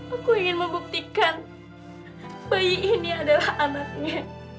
aku ingin membuktikan bayi ini adalah anaknya